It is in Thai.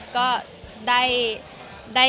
ก็ได้แผลมาเหมือนกัน